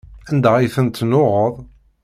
Anda ay ten-tennuɣeḍ?